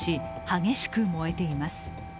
激しく燃えています。